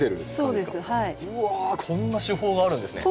うわこんな手法があるんですね。